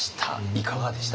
いかがでした？